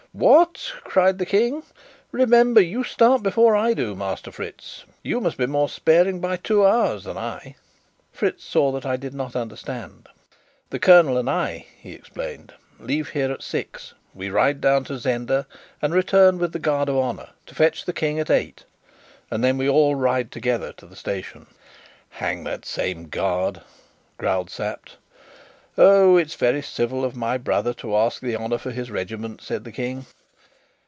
"What?" cried the King. "Remember you start before I do, Master Fritz you must be more sparing by two hours than I." Fritz saw that I did not understand. "The colonel and I," he explained, "leave here at six: we ride down to Zenda and return with the guard of honour to fetch the King at eight, and then we all ride together to the station." "Hang that same guard!" growled Sapt. "Oh! it's very civil of my brother to ask the honour for his regiment," said the King.